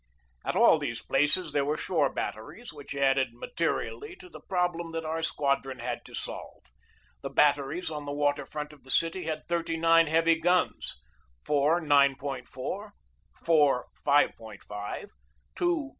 At all these places there were shore batteries, which added materially to the problem that our squadron had to solve. The batteries on the water front of the city had thirty nine heavy guns, four 9.4, four 5.5, two 5.